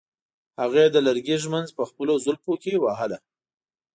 هغې د لرګي ږمنځ په خپلو زلفو کې وهله.